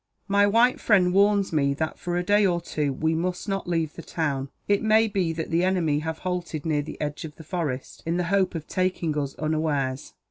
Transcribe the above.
"My white friend warns me that, for a day or two, we must not leave the town. It may be that the enemy have halted near the edge of the forest, in the hope of taking us unawares.